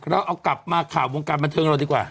เราเอากลับมาข่าววงการบันเทิงเราดีกว่า